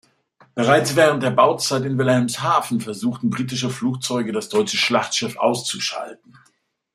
Bereits während der Bauzeit in Wilhelmshaven versuchten britische Flugzeuge, das deutsche Schlachtschiff auszuschalten.